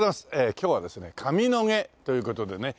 今日はですね上野毛という事でね。